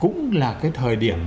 cũng là cái thời điểm